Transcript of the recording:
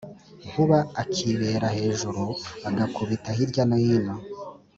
Nkuba akibera hejuru agakubita hilya no hino.